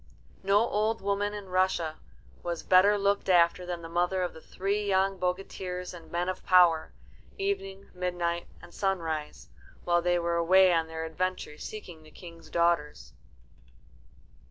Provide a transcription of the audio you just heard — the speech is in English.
No old woman in Russia was better looked after than the mother of the three young bogatirs and men of power, Evening, Midnight, and Sunrise, while they were away on their adventure seeking the King's daughters.